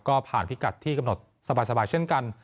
ก็ผ่านพิกัดที่กำหนดสบายเช่นกัน